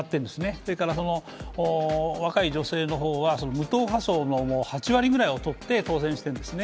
それから若い女性の方は無党派層の８割ぐらいをとって当選しているんですね。